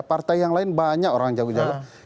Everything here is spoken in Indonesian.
partai yang lain banyak orang jago jago